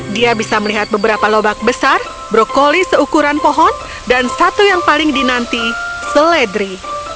dia bisa melihat beberapa lobak besar brokoli seukuran pohon dan satu yang paling dinanti seledri